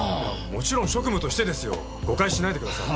もちろん職務としてですよ。誤解しないでください。